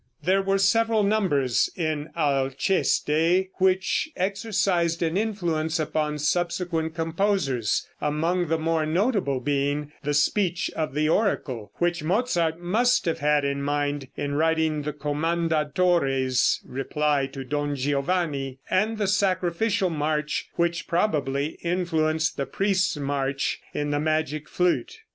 There were several numbers in "Alceste" which exercised an influence upon subsequent composers, among the more notable being the speech of the oracle, which Mozart must have had in mind in writing the commandatore's reply to Don Giovanni; and the sacrificial march, which probably influenced the priests' march in the "Magic Flute."